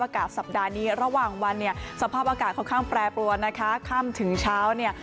สัปดาห์นี้ระหว่างวันเนี่ยสภาพอากาศค่อนข้างแปรปรวนนะคะค่ำถึงเช้าเนี่ย